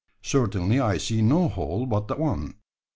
Certainly I see no hole but the one.